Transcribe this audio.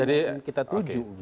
yang kita tuju